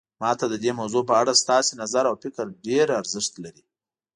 ما ته د دې موضوع په اړه ستاسو نظر او فکر ډیر ارزښت لري